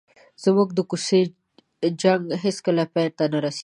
زموږ د کوڅې جنګ هېڅکله پای ته نه رسېږي.